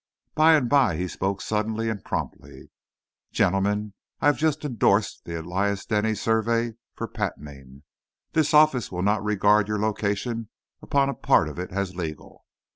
By and by he spoke suddenly and promptly. "Gentlemen, I have just indorsed the Elias Denny survey for patenting. This office will not regard your location upon a part of it as legal."